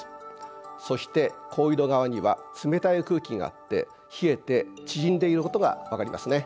そして高緯度側には冷たい空気があって冷えて縮んでいることが分かりますね。